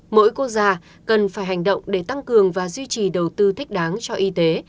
mỗi quốc gia cần phải hành động để tăng cường và duy trì đầu tư thích đáng cho y tế